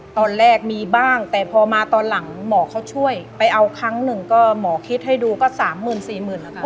ตอนแรกมีบ้างแต่พอมาตอนหลังหมอเขาช่วยไปเอาครั้งหนึ่งก็หมอคิดให้ดูก็๓๐๐๐๐๔๐๐๐๐แล้วกัน